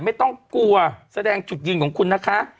ไม่ต้องกลัวแสดงจุดยืนของคุณนะคะ